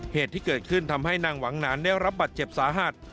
เหตุที่เกิดขึ้นทำให้นางหวังหนานได้รับบัตรเจ็บสาหัส